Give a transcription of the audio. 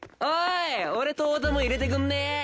俺と太田も入れてくんねえ？